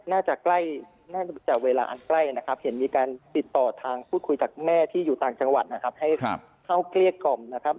น่าจะใกล้น่าจะเวลาอันใกล้นะครับเห็นมีการติดต่อทางพูดคุยจากแม่ที่อยู่ต่างจังหวัดนะครับให้เข้าเกลี้ยกล่อมนะครับ